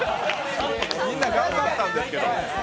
みんな頑張ったんですけど。